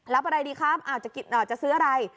อะไรดีครับจะซื้ออะไร